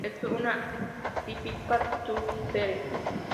Es una típica tsundere.